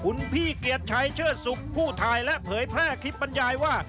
คุณพี่เกียจใช้เชื่อสุขผู้ทายและเผยแพร่คิดบรรยายว่า